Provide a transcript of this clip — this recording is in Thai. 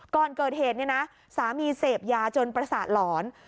ก่อนเกิดเหตุสามีเสพยาจนประสาทหล่อน